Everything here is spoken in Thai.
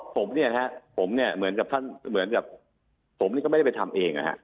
อ๋อผมเนี่ยครับผมเหมือนกับผมก็ไม่ได้ไปทำเอง